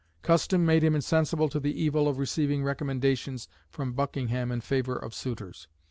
Custom made him insensible to the evil of receiving recommendations from Buckingham in favour of suitors.